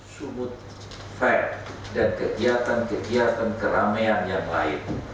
sumut fair dan kegiatan kegiatan keramaian yang lain